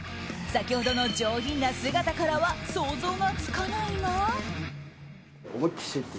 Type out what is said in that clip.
先ほどの上品な姿からは想像がつかないが。